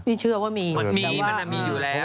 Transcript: เชื่อว่ามีหมีมันมีอยู่แล้ว